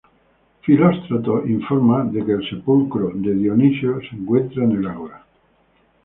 Filóstrato informa de que el sepulcro de Dionisio se encontraba en el ágora.